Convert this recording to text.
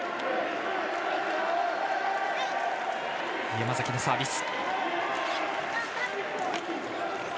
山崎のサービス。